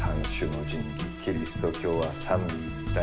キリスト教は「三位一体」。